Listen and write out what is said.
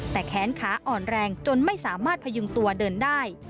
แต่แขนขาอ่อนแรงจนไม่สามารถพยุงตัวเดินได้